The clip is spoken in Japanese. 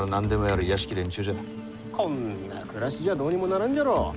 こんな暮らしじゃどうにもならんじゃろう？